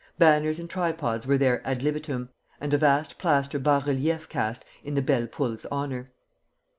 Banners and tripods were there ad libitum, and a vast plaster bas relief cast in the "Belle Poule's" honor.